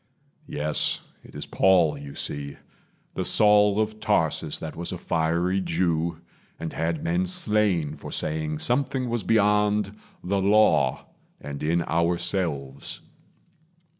Yes, it is Paul you see the Saul of Tarsus That was a fiery Jew, and had men slain For saying Something was beyond the Law, And in ourselves.